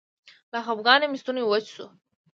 له خپګانه مې ستونی وچ شو.